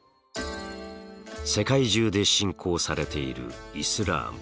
世界中で信仰されているイスラーム。